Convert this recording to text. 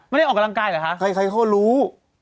ไม่ได้ออกกำลังกายเหรอคะใครเขารู้